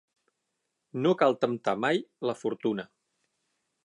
No cal temptar mai la fortuna.